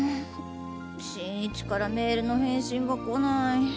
新一からメールの返信が来ない